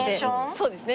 そうですね。